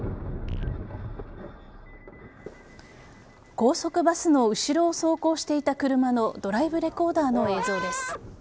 高速バスの後ろを走行していた車のドライブレコーダーの映像です。